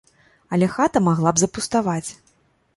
Але хата магла б запуставаць.